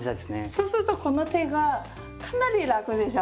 そうするとこの手がかなり楽でしょ？